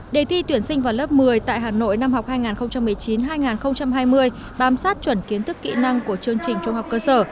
đề thi tuyển sinh vào lớp một mươi tại hà nội năm học hai nghìn một mươi chín hai nghìn hai mươi bám sát chuẩn kiến thức kỹ năng của chương trình trung học cơ sở